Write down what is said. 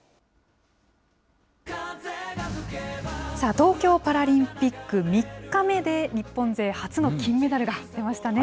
東京パラリンピック３日目で、日本勢初の金メダルが出ましたね。